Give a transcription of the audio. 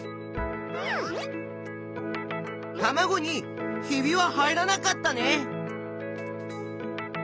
たまごに「ひび」は入らなかったね。